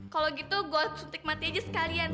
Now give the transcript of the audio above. kalau gitu gue suntik mati aja sekalian